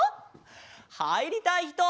はいりたいひと？